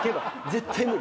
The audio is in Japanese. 絶対無理？